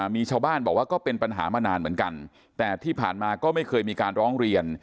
มีชาวบ้านบอกว่าก็เป็นปัญหามานานเหมือนกันแต่ที่ผ่านมาก็ไม่เคยมีการร้องเรียน